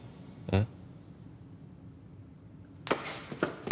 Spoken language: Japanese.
えっ。